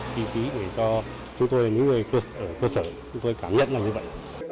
kỳ ký để cho chúng tôi những người cơ sở chúng tôi cảm nhận là như vậy